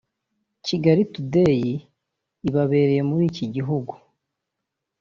Kigali Today ibabereye muri iki gihugu